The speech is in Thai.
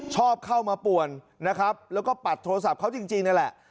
ชอบเข้ามาป่วนนะครับแล้วก็ปัดโทรศัพท์เขาจริงนั่นแหละ